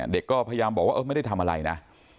เด็กก็พยายามบอกว่าไม่ได้ทำอะไรนะ